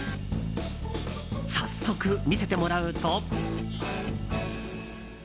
早速見せてもらうと。